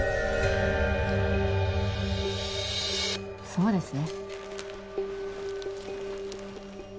そうですね